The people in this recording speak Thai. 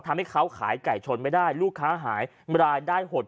ทำให้เขาขายไก่ชนไม่ได้ลูกค้าหายรายได้หด